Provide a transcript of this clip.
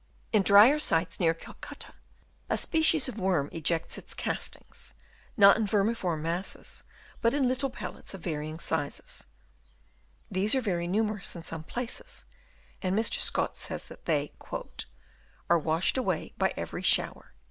In drier sites near Calcutta, a species of worm ejects Chap. VI. AIDED BY WORMS. 275 its castings, not in vermiform masses, but in little pellets of varying sizes : these are very numerous in some places, and Mr. Scott says that they " are washed away by every " shower."